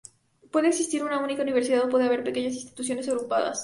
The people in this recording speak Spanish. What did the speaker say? Puede existir una única universidad o puede haber pequeñas instituciones agrupadas.